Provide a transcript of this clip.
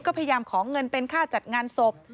ก็พยายามขอเงินเป็นค่าจัดงานศพ